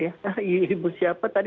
ibu siapa tadi